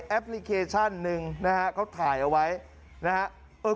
แอปพลิเคชั่นนึงนะครับเขาถ่ายเอาไว้นะครับ